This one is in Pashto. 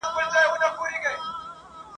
خوار چي موړ سي مځکي ته نه ګوري !.